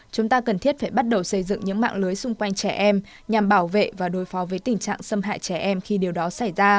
chúng ta cần thiết phải bắt đầu xây dựng những mạng lưới xung quanh trẻ em nhằm bảo vệ và đối phó với tình trạng xâm hại trẻ em khi điều đó xảy ra